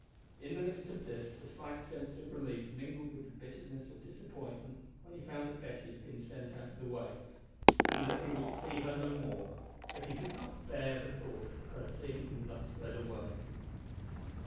In the midst of this a slight sense of relief, mingled with the bitterness of disappointment, when he found that Betty had been sent out of the way, and that he would see her no more, for he could not bear the thought of her seeing him thus led away.